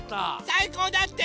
さいこうだって！